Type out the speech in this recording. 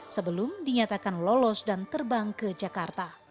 sebelum dinyatakan lolos dan terbang ke jakarta